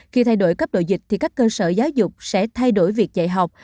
khi thay đổi cấp độ dịch thì các cơ sở giáo dục sẽ thay đổi việc dạy học